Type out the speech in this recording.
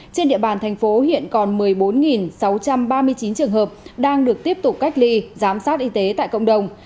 trên địa bàn thành phố hiện còn một mươi bốn sáu trăm ba mươi chín trường hợp đang được tiếp tục cách ly giám sát y tế tại cộng đồng